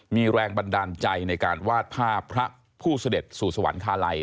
มีแรงบันดาลใจในการวาดภาพพระผู้เสด็จสู่สวรรคาลัย